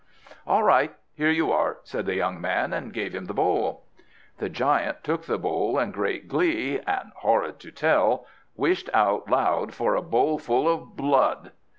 "All right, here you are," said the young man, and gave him the bowl. The giant took the bowl in great glee, and horrid to tell, wished out loud for a bowlful of blood!